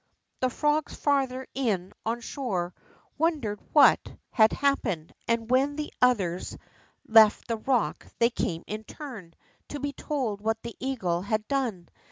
Tlie frogs farther in on shore wondered what 34 THE ROCK FROG had happened, and when the others left the rock they came in turn, to he told what the eagle had done.